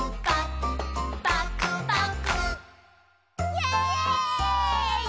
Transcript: イエーイ！